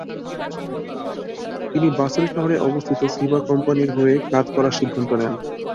তিনি বাসেল শহরে অবস্থিত সিবা কোম্পানির হয়ে কাজ করার সিদ্ধান্ত নেন।